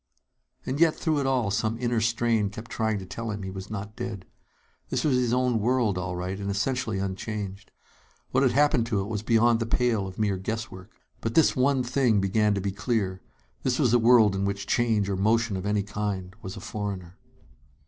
And yet, through it all, some inner strain kept trying to tell him he was not dead. This was his own world, all right, and essentially unchanged. What had happened to it was beyond the pale of mere guesswork. But this one thing began to be clear: This was a world in which change or motion of any kind was a foreigner.